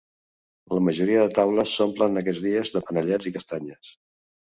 La majoria de taules s’omplen aquests dies de panellets i castanyes.